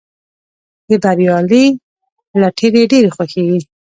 د بریالي لټیري ډېر خوښیږي.